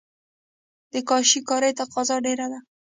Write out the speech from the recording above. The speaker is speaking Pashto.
د کاشي کارۍ تقاضا ډیره ده